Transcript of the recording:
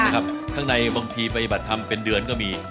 ข้างในบางทีปฏิบัติธรรมเป็นเดือนก็มี